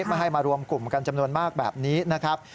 ไม่ให้มารวมกลุ่มกันจำนวนมากแบบนี้นะครับ